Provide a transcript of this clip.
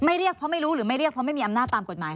เรียกเพราะไม่รู้หรือไม่เรียกเพราะไม่มีอำนาจตามกฎหมาย